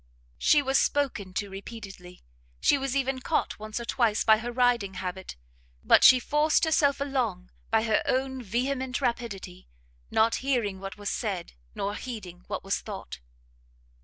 She was spoken to repeatedly; she was even caught once or twice by her riding habit; but she forced herself along by her own vehement rapidity, not hearing what was said, nor heeding what was thought.